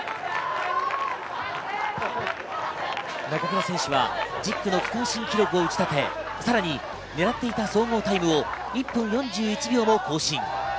中倉選手は１０区の区間新記録を打ち立て、さらに狙っていた総合タイムを１分４１秒も更新。